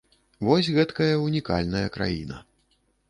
Вось гэткая ўнікальная краіна.